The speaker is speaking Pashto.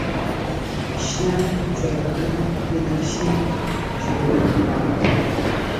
شنه، زرغونه، بنفشیې، ژړ